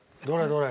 どれ？